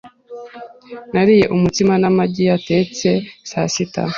Nariye umutsima n'amagi yatetse saa sita .